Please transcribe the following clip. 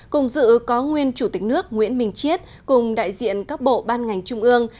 cùng dự có nguyên chủ tịch nước nguyễn minh chiết cùng đại diện các bộ ban ngành trung ương